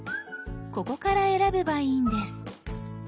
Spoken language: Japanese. ここから選べばいいんです。